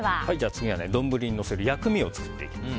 次は丼にのせる薬味を作っていきます。